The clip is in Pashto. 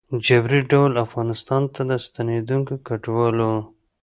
ه جبري ډول افغانستان ته د ستنېدونکو کډوالو